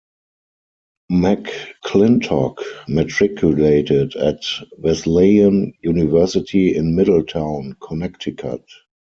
McClintock matriculated at Wesleyan University in Middletown, Connecticut.